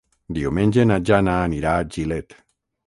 Diumenge na Jana anirà a Gilet.